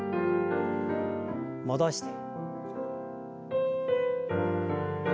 戻して。